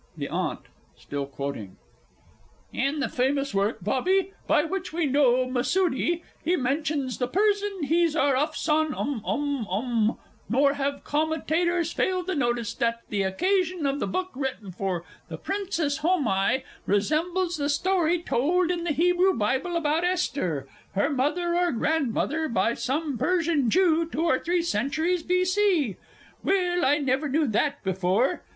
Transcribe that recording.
THE AUNT (still quoting). "In the famous work," Bobby, "by which we know Masûdi, he mentions the Persian Hezar Afsane um um um, nor have commentators failed to notice that the occasion of the book written for the Princess Homai resembles the story told in the Hebrew Bible about Esther, her mother or grandmother, by some Persian Jew two or three centuries B.C." Well, I never knew that before!...